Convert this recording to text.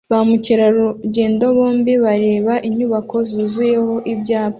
Ba mukerarugendo bombi barebye inyubako zuzuyeho ibyapa